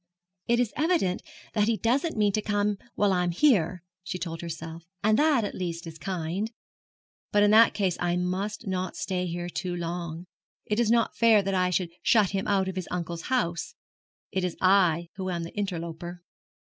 'It is evident that he doesn't mean to come while I am here,' she told herself, 'and that at least is kind. But in that case I must not stay here too long. It is not fair that I should shut him out of his uncle's house. It is I who am the interloper.'